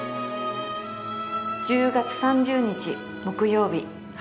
「１０月３０日木曜日晴れ」